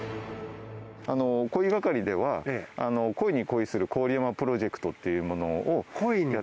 鯉係では、鯉に恋する郡山プロジェクトというものを。